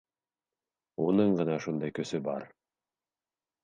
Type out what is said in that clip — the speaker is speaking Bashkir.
Уның ғына шундай көсө бар.